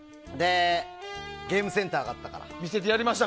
ゲームセンターがあったから。